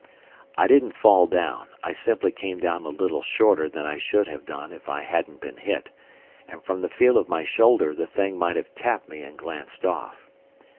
I didn't fall down, I simply came down a little shorter than I should have done if I hadn't been hit, and from the feel of my shoulder the thing might have tapped me and glanced off.